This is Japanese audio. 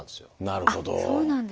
なるほど。